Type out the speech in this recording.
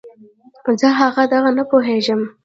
زه هغه دغه نه پوهېږم.